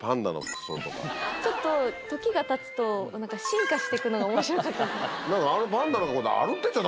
ちょっと、時がたつと、なんか、進化していくのがおもしろかった。